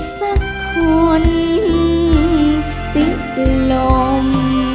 สักคนสิบลม